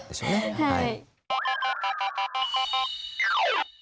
はい。